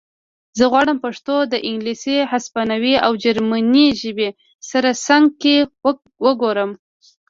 زه غواړم پښتو د انګلیسي هسپانوي او جرمنۍ ژبې سره څنګ کې وګورم